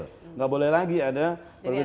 tidak boleh lagi ada perbedaan